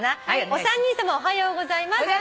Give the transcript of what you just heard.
「お三人さまおはようございます」